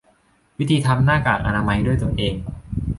วิธีทำหน้ากากอนามัยด้วยตัวเอง